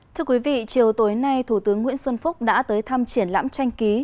thưa quý vị chiều tối nay thủ tướng nguyễn xuân phúc đã tới thăm triển lãm tranh ký